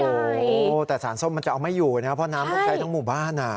โอ้โหแต่สารส้มมันจะเอาไม่อยู่นะเพราะน้ำต้องใช้ทั้งหมู่บ้าน